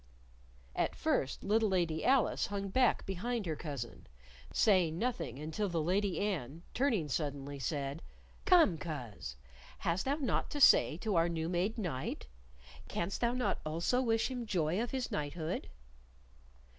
At first little Lady Alice hung back behind her cousin, saying nothing until the Lady Anne, turning suddenly, said: "Come, coz, has thou naught to say to our new made knight? Canst thou not also wish him joy of his knighthood?"